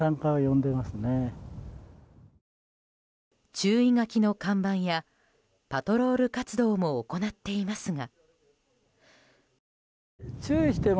注意書きの看板やパトロール活動も行っていますが。